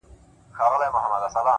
جانه راځه د بدن وينه مو په مينه پرېولو”